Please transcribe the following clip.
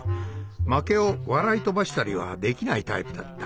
負けを笑い飛ばしたりはできないタイプだった。